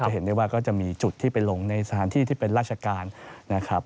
เห็นได้ว่าก็จะมีจุดที่ไปลงในสถานที่ที่เป็นราชการนะครับ